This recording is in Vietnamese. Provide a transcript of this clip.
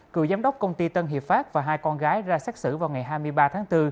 cựu giám đốc công ty tân hiệp pháp và hai con gái ra xác xử vào ngày hai mươi ba tháng bốn